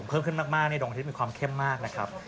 เพิ่มขึ้นมากในดวงอาทิตย์มีความเข้มมากนะครับ